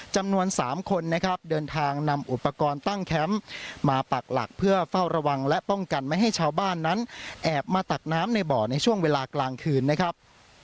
จำนวน๓คนนะครับเดินทางนำอุปกรณ์ตั้งแคมป์มาปักหลักเพื่อเฝ้าระวังและป้องกันไม่ให้ชาวบ้านนั้นแอบมาตักน้ำในบ่อในช่วงเวลากลางคืนนะครับ